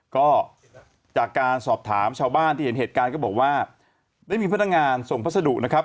ก็จากการสอบถามชาวบ้านที่เห็นเหตุการณ์ก็บอกว่าได้มีพนักงานส่งพัสดุนะครับ